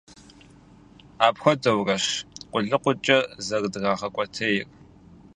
Апхуэдэурэщ къулыкъукӀэ зэрыдрагъэкӀуэтейр.